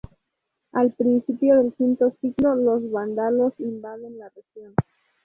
Al principio del quinto siglo, los vándalos invaden la región.